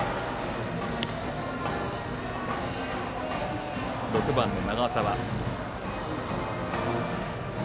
バッターは６番、長澤。